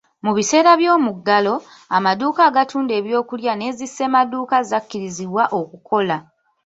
Mu biseera by'omuggalo, amaduuka agatunda eby'okulya ne zi ssemaduuka zakkirizibwa okukola.